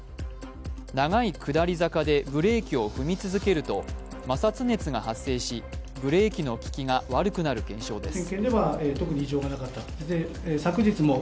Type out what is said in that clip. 長い下り坂でブレーキを踏み続けると摩擦熱が発生し、ブレーキの利きが悪くなる現象です。